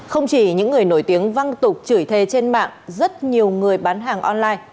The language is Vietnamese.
không chỉ những người nổi tiếng văng tục chửi thề trên mạng rất nhiều người bán hàng online